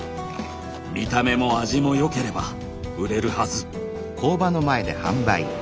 見た目も味も良ければ売れるはず。